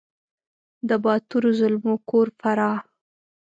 د باتورو زلمو کور فراه !